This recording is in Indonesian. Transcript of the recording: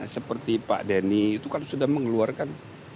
seperti pak denny itu kan sudah mengeluarkan